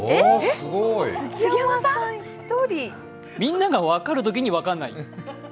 みんなが分かるときに分からない。